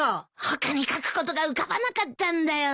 他に書くことが浮かばなかったんだよ。